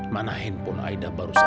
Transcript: mana handphone aida baru saja